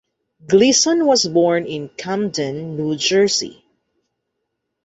Gleason was born in Camden, New Jersey.